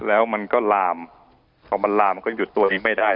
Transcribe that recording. คลิปนี้มันลามก็ยืดตัวหนึ่งไม่ได้